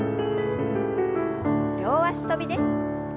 両脚跳びです。